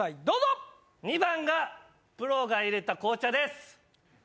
どうぞ２番がプロが淹れた紅茶です